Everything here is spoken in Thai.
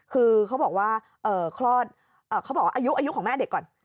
คือเขาบอกว่าขออายุของแม่เด็กก่อน